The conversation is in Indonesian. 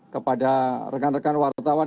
kepada rekan rekan wartawan